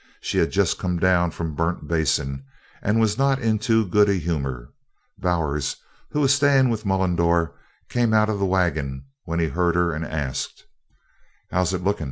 She had just come down from Burnt Basin and was not in too good a humor. Bowers, who was staying with Mullendore, came out of the wagon when he heard her and asked: "How was it lookin'?"